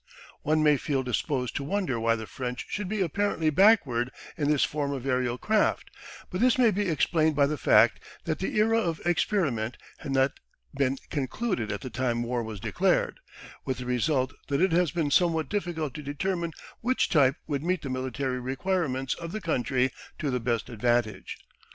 One may feel disposed to wonder why the French should be apparently backward in this form of aerial craft, but this may be explained by the fact that the era of experiment had not been concluded at the time war was declared, with the result that it has been somewhat difficult to determine which type would meet the military requirements of the country to the best advantage.